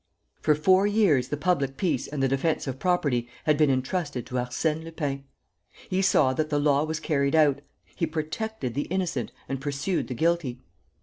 For four years, the public peace and the defence of property had been entrusted to Arsène Lupin. He saw that the law was carried out. He protected the innocent and pursued the guilty.